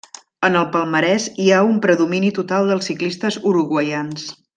En el palmarès hi ha un predomini total dels ciclistes uruguaians.